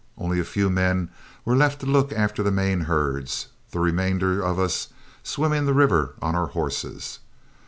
Only a few men were left to look after the main herds, the remainder of us swimming the river on our horses.